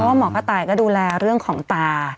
เพราะหมอกระต่ายดูแลเรื่องของตา